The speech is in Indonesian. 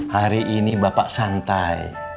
hari ini bapak santai